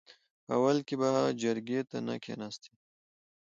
په اول کې به جرګې ته نه کېناستې .